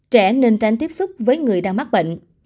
trẻ nên tránh tiếp xúc với người đang mắc bệnh